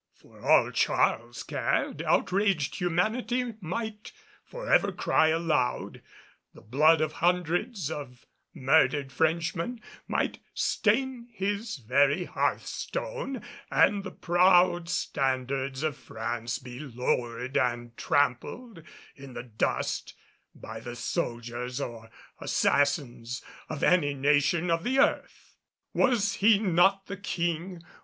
For all Charles cared, outraged humanity might forever cry aloud, the blood of hundreds of murdered Frenchmen might stain his very hearthstone, and the proud standards of France be lowered and trampled in the dust by the soldiers or assassins of any nation of the earth. Was he not the King?